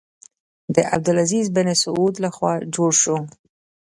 د عبدالعزیز بن سعود له خوا جوړ شو.